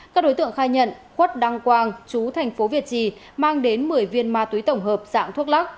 các đối tượng khai nhận khuất đăng quang chú thành phố việt trì mang đến một mươi viên ma túy tổng hợp dạng thuốc lắc